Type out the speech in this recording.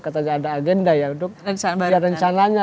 katanya ada agenda ya untuk ya rencananya